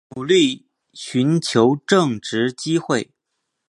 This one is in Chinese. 努力寻找正职机会